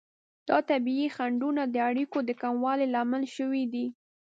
دا طبیعي خنډونه د اړیکو د کموالي لامل شوي دي.